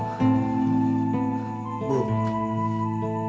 bayangkan sehat tuhan